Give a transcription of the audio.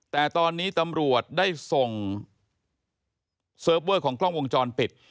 แต่ตอนนี้ตำรวจได้ส่งเซิร์ฟเวอร์ของกล้องวงจรปิด